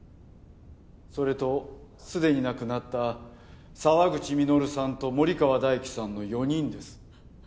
それと既に亡くなった澤口実さんと森川大貴さんの４人です。